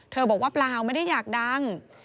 บอกว่าเปล่าไม่ได้อยากดัง